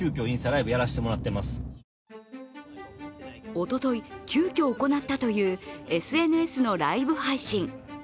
おととい急きょ行ったというＳＮＳのライブ配信。